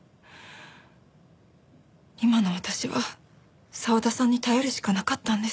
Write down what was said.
今の私は澤田さんに頼るしかなかったんです。